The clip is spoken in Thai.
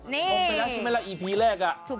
นี่ออกไปแล้วใช่ไหมล่ะอีพีแรก